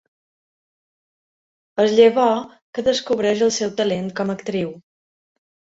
És llavors que descobreix el seu talent com a actriu.